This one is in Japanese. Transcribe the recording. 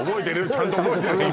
ちゃんと覚えてた今？